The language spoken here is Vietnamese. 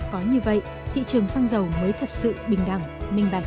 có như vậy thị trường xăng dầu mới thật sự bình đẳng minh bạch